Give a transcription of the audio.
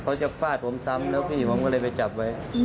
ฟาดผมซ้ำแล้วพี่ผมก็เลยไปจับไว้